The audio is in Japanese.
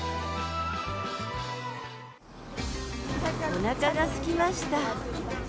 おなかがすきました。